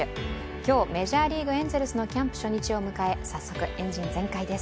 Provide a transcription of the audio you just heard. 今日、メジャーリーグ・エンゼルスのキャンプ初日を迎え早速、エンジン全開です。